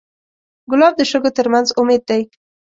ګلاب د شګو تر منځ امید دی.